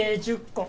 １０個